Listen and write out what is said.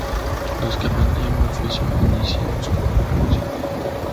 Los que aprendían un oficio iniciaban su propio negocio.